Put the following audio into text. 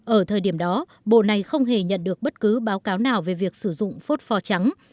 ở thời điểm đó bộ này không hề nhận được bất cứ báo cáo nào về việc sử dụng phốt pho trắng